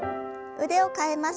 腕を替えます。